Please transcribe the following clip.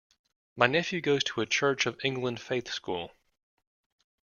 My nephew goes to a Church of England faith school